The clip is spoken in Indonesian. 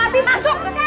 abi abi masuk